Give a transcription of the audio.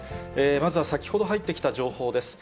まずは先ほど入ってきた情報です。